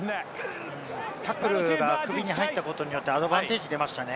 タックルが首に入ったことによって、アドバンテージが出ましたね。